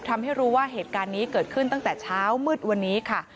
ทำให้รู้ว่าเหตุการณ์นี้เกิดขึ้นตั้งแต่เช้ามืดวันนี้ค่ะ